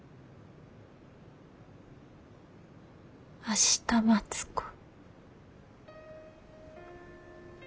明日待子。